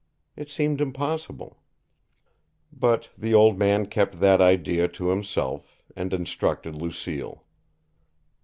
It seemed impossible. But the old man kept that idea to himself, and instructed Lucille.